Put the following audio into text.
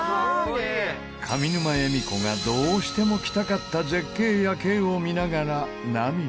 上沼恵美子がどうしても来たかった絶景夜景を見ながら涙。